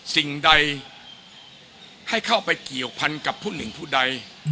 สิ่งใดให้เข้าไปเกี่ยวพันกับผู้หนึ่งผู้ใด